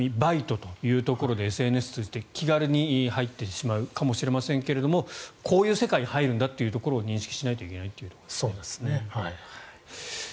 改めて闇バイトというところでＳＮＳを通じて気軽に入ってしまうかもしれませんがこういう世界に入るんだということを認識しないといけないと。